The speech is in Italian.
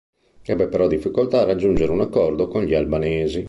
Ebbe però difficoltà a raggiungere un accordo con gli albanesi.